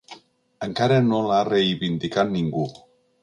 Encara no l’ha reivindicat ningú.